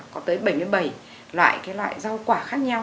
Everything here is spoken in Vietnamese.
có tới bảy với bảy loại cái loại rau quả khác nhau